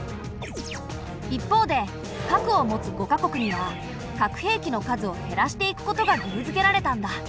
一方で核を持つ５か国には核兵器の数を減らしていくことが義務づけられたんだ。